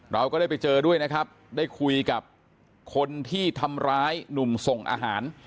เราก็ได้ไปเจอด้วยนะครับได้คุยกับคนที่ทำร้ายหนุ่มส่งอาหาร